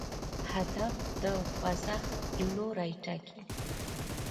هدف د خوځښت لوری ټاکي.